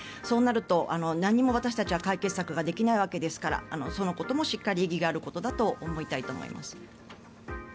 そうなると、何も私たちは解決策ができないわけですからそのこともしっかり意義があることだと思いたいと思います。